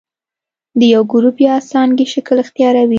د یو ګروپ یا څانګې شکل اختیاروي.